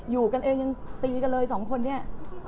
อยู่กันเองยังตีกันเลยสองคนเนี่ย